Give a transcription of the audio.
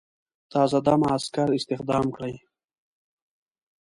تازه دمه عسکر استخدام کړي.